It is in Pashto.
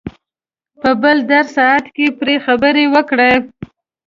په بل درسي ساعت کې پرې خبرې وکړئ.